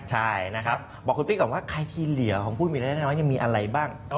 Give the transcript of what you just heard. ใช่นะครับบอกคุณปิ๊กก่อนว่าใครที่เหลือของผู้มีรายได้น้อยยังมีอะไรบ้าง